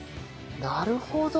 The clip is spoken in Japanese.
なるほど！